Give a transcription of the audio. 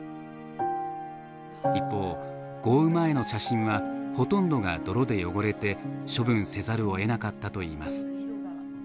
一方豪雨前の写真はほとんどが泥で汚れて処分せざるをえなかったといいます。